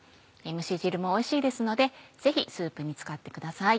蒸し汁もおいしいですのでぜひスープに使ってください。